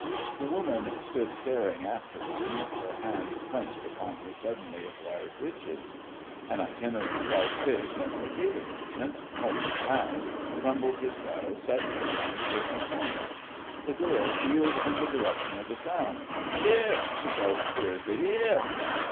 The woman stood staring after them, her hand clenched upon her suddenly acquired riches. An itinerant fried fish and potato merchant, homeward bound, trundled his barrow suddenly round a distant corner. The girl wheeled in the direction of the sound. "'Ere!" she called imperiously, "_'ere!